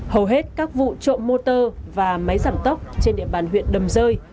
hầu hết các vụ trộm motor và máy giảm tốc trên địa bàn huyện đầm rơi